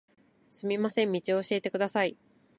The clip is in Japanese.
すみません、道を教えてください。